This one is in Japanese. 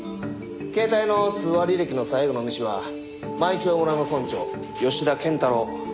携帯の通話履歴の最後の主は舞澄村の村長吉田謙太郎。